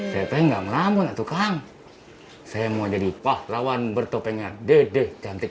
saya pengen ngamun tukang saya mau jadi pahlawan bertopengnya dedek cantik